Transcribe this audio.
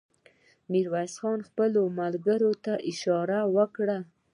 ميرويس خان خپلو ملګرو ته اشاره وکړه.